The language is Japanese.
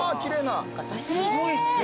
すごいっすね。